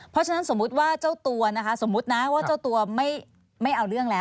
เพราะฉะนั้นสมมุติว่าเจ้าตัวนะคะสมมุตินะว่าเจ้าตัวไม่เอาเรื่องแล้ว